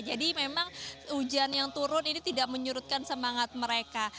jadi memang hujan yang turun ini tidak menyurutkan semangat mereka